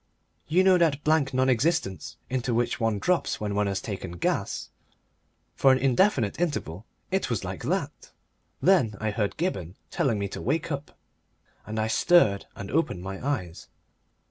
You know that blank non existence into which one drops when one has taken "gas." For an indefinite interval it was like that. Then I heard Gibberne telling me to wake up, and I stirred and opened my eyes.